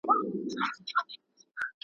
ځاي پر ځای مړ سو سفر یې نیمه خوا سو ,